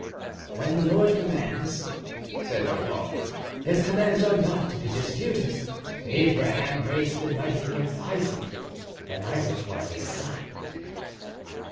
"When the Lord commands," said Mordaunt, "His commands are not to be disputed. Abraham raised the knife against Isaac, and Isaac was his son."